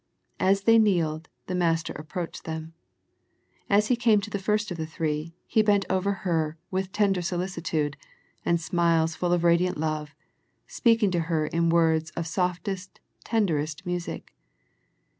As they kneeled the Master approached them. As He came to the first of the three, He bent over her with tender solicitude, and smiles full of radiant love, speaking to her in words of softest tenderest music.